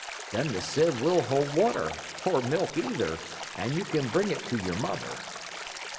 Then the sieve will hold water, or milk either, and you can bring it to your mother."